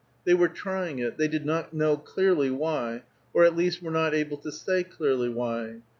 They were trying it, they did not know clearly why, or at least were not able to say clearly why.